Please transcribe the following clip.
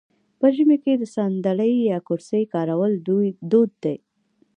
په ژمي کې د ساندلۍ یا کرسۍ کارول دود دی.